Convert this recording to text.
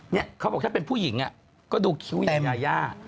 แนี่ยเขาบอกถ้าเป็นผู้หญิงเขาดูคิวเย็นมาก